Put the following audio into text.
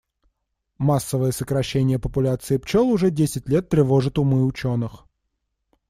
Массовое сокращение популяции пчёл уже десять лет тревожит умы учёных.